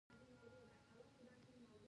دا دښتې د صادراتو یوه برخه ده.